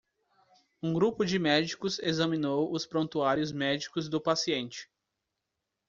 Um grupo de médicos examinou os prontuários médicos do paciente.